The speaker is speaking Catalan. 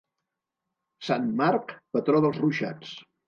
Sant Marc, patró dels ruixats.